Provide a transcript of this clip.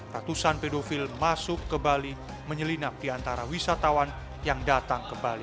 ratusan pedofil masuk ke bali menyelinap di antara wisatawan yang datang ke bali